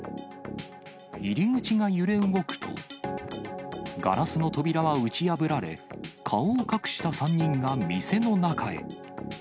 入り口が揺れ動くと、ガラスの扉は打ち破られ、顔を隠した３人が店の中へ。